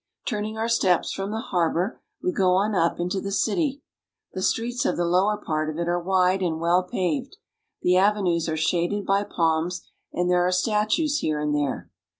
Turning our steps from the harbor, we go on up into the city. The streets of the lower part of it are wide and well paved. The avenues are shaded by palms, and there are statues here and there.